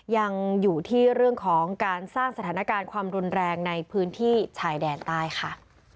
ยังอยู่ที่เรื่องของการสร้างสถานการณ์ความรุนแรงในพื้นที่ชายแดนใต้ค่ะ